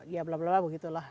ya blablabla begitulah